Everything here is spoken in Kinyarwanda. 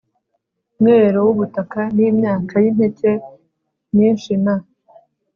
mwero w ubutaka N imyaka y impeke myinshi Na